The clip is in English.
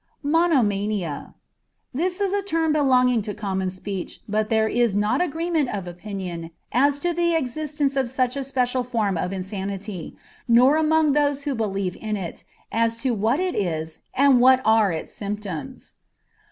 Monomania. This is a term belonging to common speech, but there is not an agreement of opinion as to the existence of such a special form of insanity, nor among those who believe in it, as to what it is and what are its symptoms.